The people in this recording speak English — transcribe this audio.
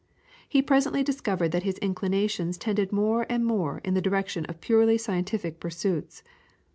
He presently discovered that his inclinations tended more and more in the direction of purely scientific pursuits.